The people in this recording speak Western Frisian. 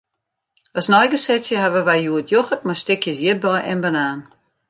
As neigesetsje hawwe wy hjoed yochert mei stikjes ierdbei en banaan.